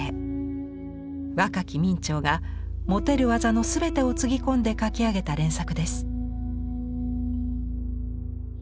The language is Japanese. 若き明兆が持てる技のすべてをつぎ込んで描き上げた連作です。